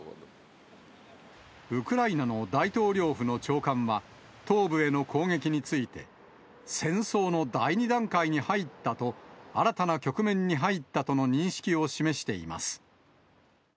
ウクライナの大統領府の長官は、東部への攻撃について、戦争の第２段階に入ったと、新たな局面に入ったとの認識を示しています。